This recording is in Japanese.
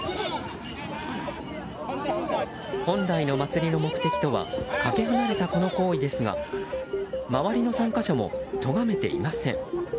本来の祭りの目的とはかけ離れた、この行為ですが周りの参加者も咎めていません。